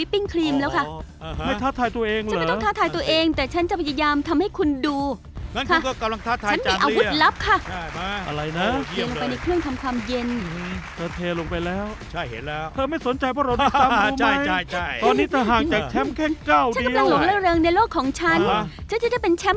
ผมหาจุดบอกพร่องไม่เจอ